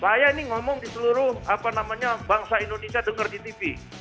saya ini ngomong di seluruh bangsa indonesia dengar di tv